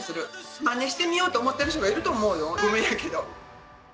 真似してみようと思ってる人がいると思うよ、ごめんやけど。